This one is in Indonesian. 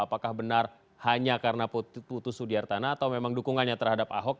apakah benar hanya karena putu sudiartana atau memang dukungannya terhadap ahok